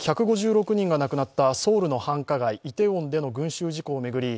１５６人が亡くなったソウルの繁華街イテウォンでの群集事故を巡り